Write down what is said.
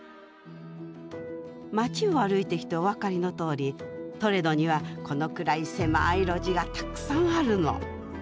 街を歩いてきてお分かりのとおりトレドにはこのくらい狭い路地がたくさんあるの。